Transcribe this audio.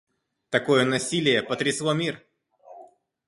Такое насилие потрясло мир.